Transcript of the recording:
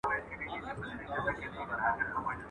زما دي قسم په ذواجلال وي.